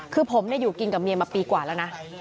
คือผมอยู่กินกับเมียมาปีกว่าแล้วนะ